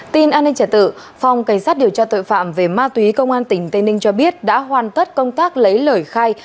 tin an ninh trả tự phòng cảnh sát điều tra tội phạm về ma túy công an tỉnh tây ninh cho biết đã hoàn tất công tác lấy lời khai